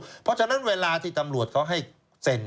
เพราะฉะนั้นเวลาที่ตำรวจเขาให้เซ็น